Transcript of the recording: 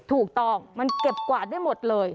ถูกต้องมันเก็บกวาดได้หมดเลย